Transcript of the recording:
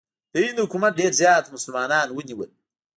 د هند حکومت ډېر زیات مسلمانان ونیول.